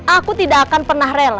aku tidak akan pernah rela